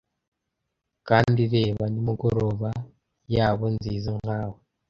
Kandi reba, nimugoroba yabo, nziza nkawe.